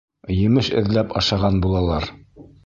Емеш эҙләп ашаған булалар.